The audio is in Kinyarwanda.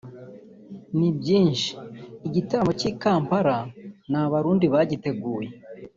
ni byinshi […] Igitaramo cy’i Kampala ni Abarundi bagiteguye